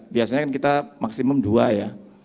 biasanya kita maksimum dua ya